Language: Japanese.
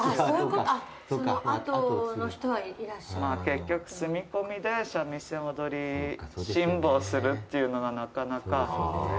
結局住み込みで三味線踊り辛抱するっていうのがなかなか。